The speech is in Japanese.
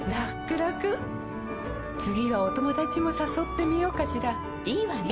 らくらくはお友達もさそってみようかしらいいわね！